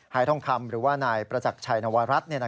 ท่องคำหรือว่านายประจักรชัยนวรัฐ